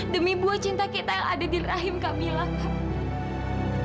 demi buah cinta kita yang ada di rahim kami langka